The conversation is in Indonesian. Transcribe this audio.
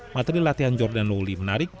materi latihan jordan ruli menarik